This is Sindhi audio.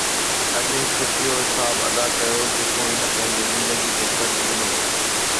اڄ هن اهو حساب ادا ڪيو جيڪو هن پنهنجي زندگي تي قرض ڏنو هو